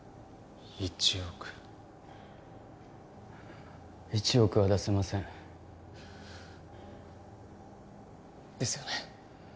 １億１億は出せませんですよね